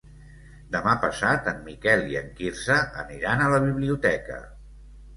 Demà passat en Miquel i en Quirze aniran a la biblioteca.